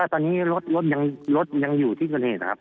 ตอนนี้รถยังอยู่ที่ง่วงหนุ่ณนะครับ